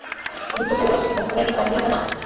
দুঃখগৌরব থেকে বঞ্চিত করা কি কম বিড়ম্বনা।